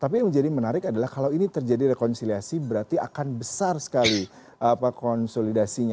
tapi yang menjadi menarik adalah kalau ini terjadi rekonsiliasi berarti akan besar sekali konsolidasinya